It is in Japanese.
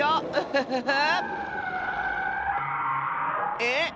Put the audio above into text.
えっ？